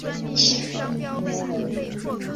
曾经效力美国职棒大联盟日本职棒等多支球队。